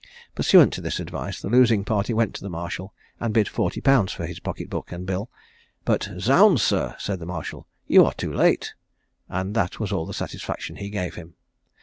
Pursuant to this advice, the losing party went to the marshal, and bid forty pounds for his pocket book and bill, but 'Zounds, sir,' said the marshal, you are too late!' and that was all the satisfaction he gave him.